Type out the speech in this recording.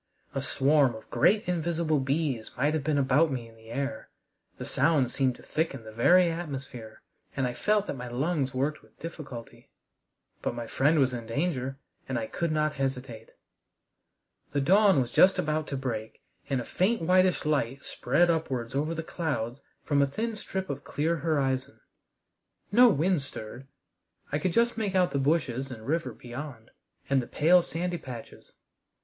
A swarm of great invisible bees might have been about me in the air. The sound seemed to thicken the very atmosphere, and I felt that my lungs worked with difficulty. But my friend was in danger, and I could not hesitate. The dawn was just about to break, and a faint whitish light spread upwards over the clouds from a thin strip of clear horizon. No wind stirred. I could just make out the bushes and river beyond, and the pale sandy patches.